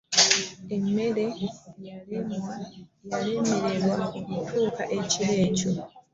Emmeeri yalemererwa okutuuka ekiro ekyo.